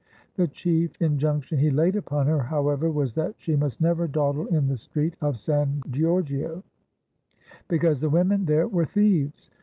The chief injunction he laid upon her, however, was that she must never dawdle in the street of San Giorgio, because the women there were thieves.